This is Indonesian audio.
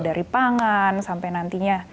dari pangan sampai nantinya